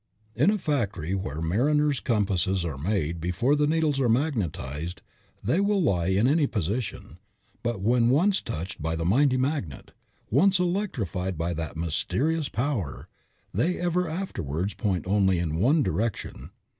In a factory where mariners' compasses are made before the needles are magnetized, they will lie in any position, but when once touched by the mighty magnet, once electrified by that mysterious power, they ever afterwards point only in one direction.